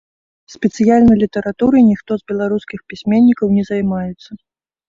Спецыяльна літаратурай ніхто з беларускіх пісьменнікаў не займаецца.